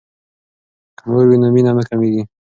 که مور وي نو مینه نه کمیږي.